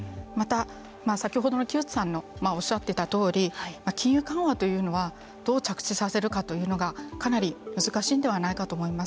また、先ほどの木内さんがおっしゃってたとおり金融緩和というのはどう着地させるかというのがかなり難しいんではないかと思います。